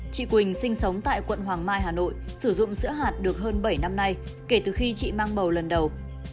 chị quỳnh sinh sống tại quận hoàng mai hà nội sử dụng sữa hạt được hơn bảy năm nay kể từ khi chị mang bầu lần đầu